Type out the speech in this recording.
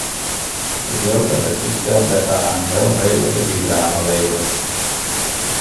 Ik leau dat dit útstel dêrta in heel reedlike bydrage leveret.